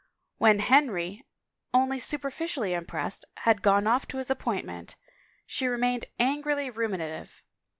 '' When Henry, only superficially impressed, had gone off to his appointment, she remained angrily ruminative.